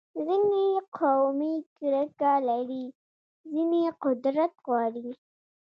ځینې قومي کرکه لري، ځینې قدرت غواړي.